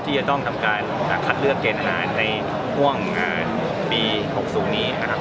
ที่จะต้องทำการทักคัดเลือกเกณฑ์ในห้วงปี๖โซมี